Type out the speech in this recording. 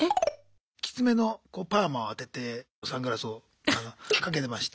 きつめのパーマをあててサングラスをかけてまして。